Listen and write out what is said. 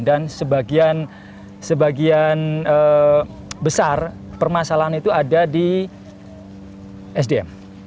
dan sebagian sebagian besar permasalahan itu ada di sdm